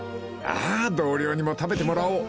［ああ同僚にも食べてもらおう］